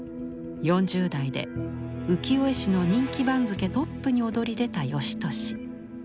４０代で浮世絵師の人気番付トップに躍り出た芳年。